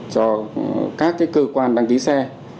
cho các cơ quan đăng ký xe